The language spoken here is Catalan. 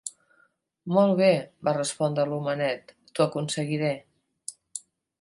"Molt bé", va respondre l'homenet; "t'ho aconseguiré".